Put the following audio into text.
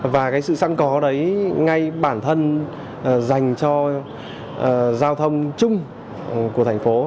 và cái sự sẵn có đấy ngay bản thân dành cho giao thông chung của thành phố